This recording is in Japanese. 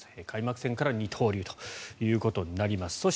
開幕戦から二刀流ということになります。